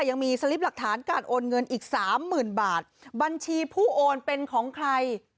ยังมีสลิปหลักฐานการโอนเงินอีกสามหมื่นบาทบัญชีผู้โอนเป็นของใคร